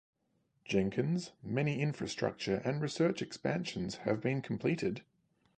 Jenkins, many infrastructure and research expansions have been completed.